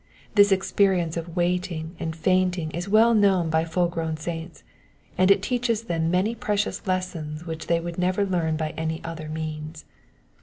This experience of waiting and fainting is well known by fun grown saints, and it teaches them many precious lessons which they would never learn by any other means.